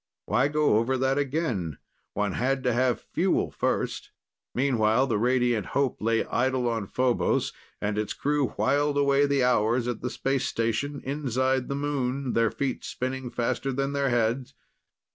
Why go over that again? One had to have fuel first. Meanwhile, the Radiant Hope lay idle on Phobos and its crew whiled away the hours at the space station inside the moon, their feet spinning faster than their heads